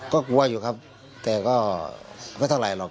ก็กลัวอยู่ครับแต่ก็ไม่เท่าไรหรอก